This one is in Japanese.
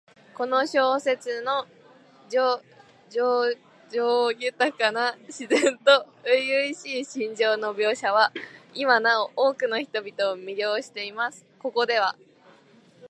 この小説の叙情豊かな自然と初々しい心情の描写は、今なお多くの人々を魅了しています。ここでは、